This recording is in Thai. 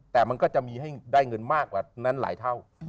แต่มันก็จะมีให้ได้เงินมากกว่านั้นหลายเท่า